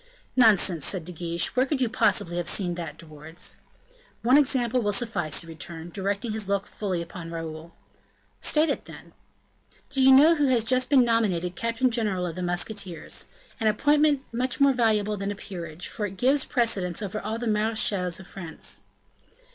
"Nonsense," said De Guiche, "where could you possibly have seen that, De Wardes?" "One example will suffice," he returned, directing his look fully upon Raoul. "State it then." "Do you know who has just been nominated captain general of the musketeers? an appointment more valuable than a peerage; for it gives precedence over all the marechals of France."